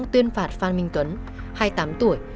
tuyên phạt phan minh tuấn hai mươi tám tuổi